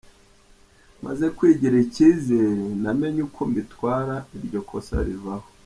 Maze kwigirira icyizere namenye uko mbitwara iryo kosa rivaho.